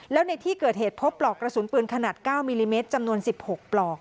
แล้วในที่เกิดเหตุพบปลอกกระสุนปืนขนาด๙มิลลิเมตรจำนวน๑๖ปลอก